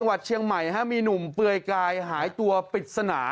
จังหวัดเชียงใหม่มีหนุ่มเปลือยกายหายตัวปริศนา